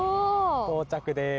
到着です。